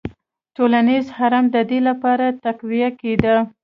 ټولنیز هرم د دې لپاره تقویه کېده.